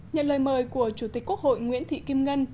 nhận lời mời của chủ tịch quốc hội nguyễn thị kim ngân